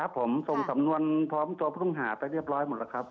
ผมส่งสำนวนพร้อมตัวผู้ต้องหาไปเรียบร้อยหมดแล้วครับ